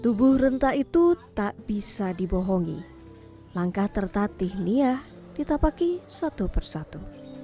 tubuh renta itu tak bisa dibohongi langkah tertatih nia ditapaki satu persatu